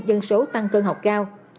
dân số tăng cơ học cao